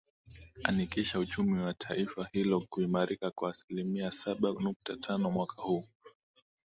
anikisha uchumi wa taifa hilo kuimarika kwa aslimia saba nukta tano mwaka huu